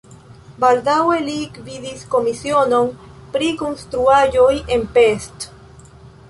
Baldaŭe li gvidis komisionon pri konstruaĵoj en Pest.